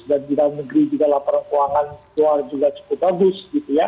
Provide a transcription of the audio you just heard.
dan di daerah negeri juga laporan keuangan luar juga cukup bagus gitu ya